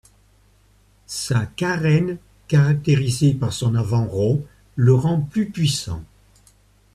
Sa carène caractérisée par son avant rond le rend plus puissant.